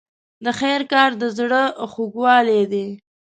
د خیر کار د زړه خوږوالی دی.